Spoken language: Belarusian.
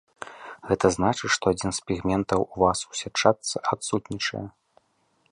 Гэта значыць, што адзін з пігментаў у вас у сятчатцы адсутнічае.